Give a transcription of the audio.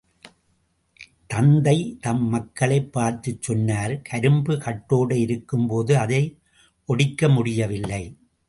தந்தை தம் மக்களைப் பார்த்துச் சொன்னார் கரும்பு கட்டோடு இருக்கும்போது அதை ஒடிக்க முடிய வில்லை.